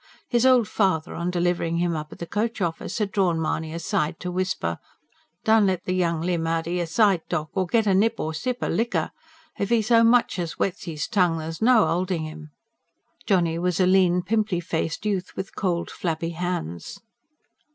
His old father, on delivering him up at the coach office, had drawn Mahony aside to whisper: "Don't let the young limb out o' yer sight, doc., or get nip or sip o' liquor. If 'e so much as wets 'is tongue, there's no 'olding 'im." Johnny was a lean, pimply faced youth, with cold, flabby hands.